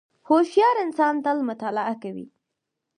• هوښیار انسان تل مطالعه کوي.